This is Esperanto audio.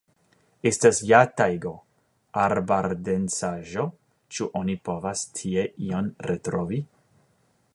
Estas ja tajgo, arbardensaĵo, ĉu oni povas tie ion retrovi?